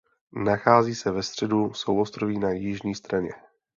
Nachází se ve středu souostroví na jižní straně.